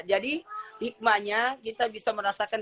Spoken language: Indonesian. jadi hikmahnya kita bisa merasakan